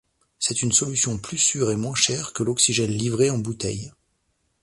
C’est une solution plus sûre et moins chère que l’oxygène livré en bouteilles.